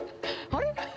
あれ？